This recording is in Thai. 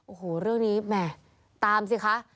โอ้โหเรื่องนี้แหม่ตามสิคะ